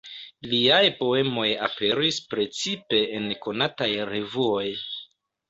Liaj poemoj aperis precipe en konataj revuoj.